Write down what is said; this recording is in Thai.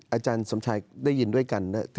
อาจารย์สมชายได้ยินด้วยกัน